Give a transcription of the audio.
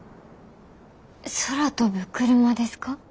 空飛ぶクルマですか？